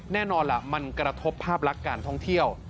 แน่นอนล่ะมันกระทบภาพลักษณ์การท่องเที่ยว